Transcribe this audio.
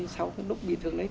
sau lúc bị thương đấy